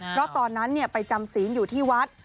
เพราะตอนนั้นไปจำศีลอยู่ที่วัด